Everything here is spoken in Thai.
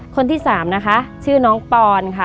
คนที่สามนะคะชื่อน้องปอนค่ะ